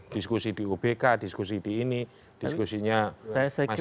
diskusi di ubk diskusi di ini diskusinya masyarakat kaliwang